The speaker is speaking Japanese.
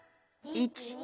１２！